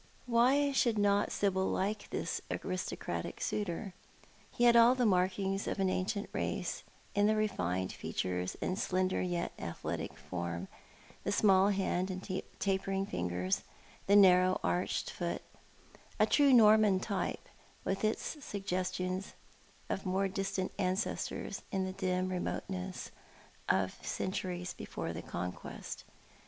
Why should not Sibyl like this aristocratic suitor ? He had all the markings of an ancient race in the refined features and slender yet athletic form, the small hand and tapering fingers, the narrow arched foot — a true Norman type, with its sugges tions of more distant ancestors in the dim remoteness of the centuries before the conquest.